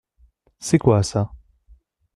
C’est quoi ça ?